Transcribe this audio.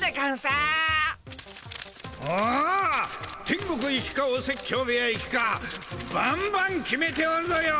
天国行きかお説教部屋行きかばんばん決めておるぞよ！